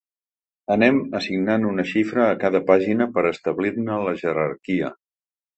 Anem assignant una xifra a cada pàgina per establir-ne la jerarquia.